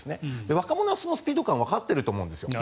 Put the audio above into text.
若者はそのスピード感をわかっていると思うんです。